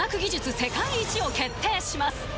世界一を決定します